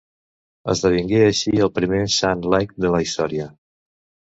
Esdevingué així el primer sant laic de la història.